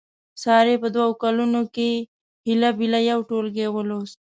سارې په دوه کالونو کې هیله بیله یو ټولګی ولوست.